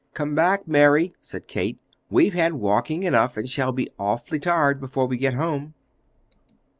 "Come back, Mary," said Kate; "we've had walking enough, and shall be awfully tired before we get home."